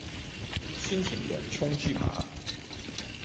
酸甜洋蔥豬排